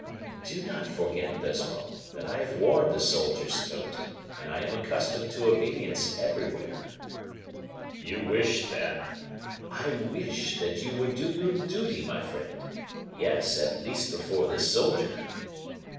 "Do not forget, Baisemeaux, that I have worn the soldier's coat, and I am accustomed to obedience everywhere." "You wish, then " "I wish that you would do your duty, my friend; yes, at least before this soldier."